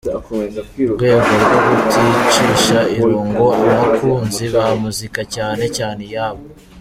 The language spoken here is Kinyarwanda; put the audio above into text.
rwego rwo kuticisha irungu abakunzi ba muzika cyane cyane iyabo.